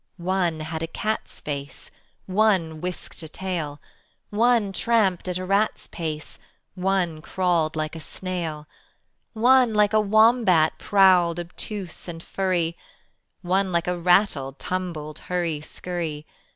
One had a cat's face, One whisked a tail, One tramped at a rat's pace, One crawled like a snail, One like a wombat prowled obtuse and furry, One like a ratel tumbled hurry scurry.